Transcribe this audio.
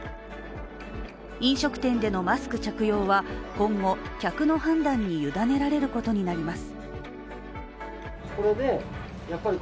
飲食店でのマスク着用は、今後客の判断に委ねられることになります。